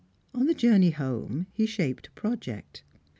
On the journey home he shaped a project.